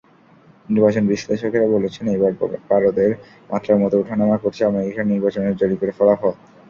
নির্বাচন বিশ্লেষকেরা বলছেন, এবার পারদের মাত্রার মতো ওঠা-নামা করছে আমেরিকার নির্বাচনের জরিপের ফলাফল।